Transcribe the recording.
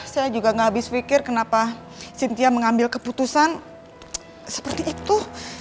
saya juga gak habis pikir kenapa cynthia mengambil keputusan seperti itu